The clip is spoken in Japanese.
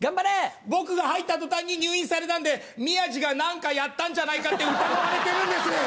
僕が入ったとたんに入院されたんで、宮治がなんかやったんじゃないかって、疑われてるんです。